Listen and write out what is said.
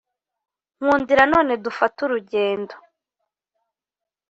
Nkundira none dufate urugendo